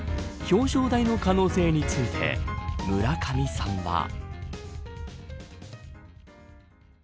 表彰台の可能性について村上さんは。